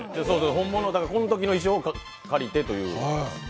本物、このときの衣装を借りてという。